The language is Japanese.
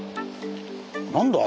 何だ？